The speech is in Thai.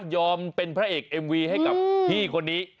เป็นพระเอกเอ็มวีให้กับพี่คนนี้